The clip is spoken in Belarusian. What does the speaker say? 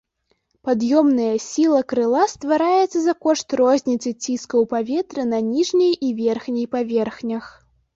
Пад'ёмная сіла крыла ствараецца за кошт розніцы ціскаў паветра на ніжняй і верхняй паверхнях.